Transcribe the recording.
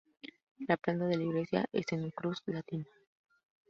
La planta de la iglesia es en cruz latina.